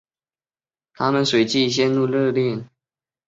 他们随即陷入热恋。